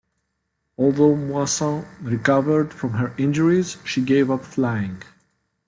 Although Moisant recovered from her injuries, she gave up flying.